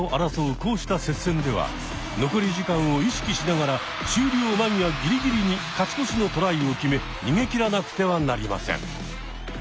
こうした接戦では残り時間を意識しながら終了間際ギリギリに勝ち越しのトライを決め逃げきらなくてはなりません。